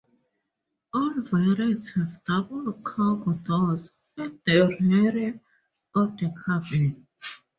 All variants have double cargo doors at the rear of the cabin.